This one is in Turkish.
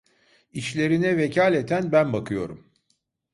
İşlerine vekaleten ben bakıyorum.